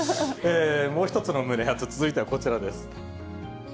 もう一つの胸熱、続いてはこちらです。